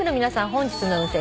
本日の運勢